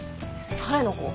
誰の子？